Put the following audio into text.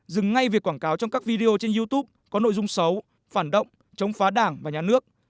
dừng ngay việc quảng cáo trong các video trên youtube có nội dung xấu phản động chống phá đảng và nhà nước